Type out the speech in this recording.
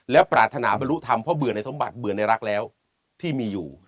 และปรารถนาบรรลุธรรมเพราะเบื่อในสมบัติเบื่อในรักแล้วที่มีอยู่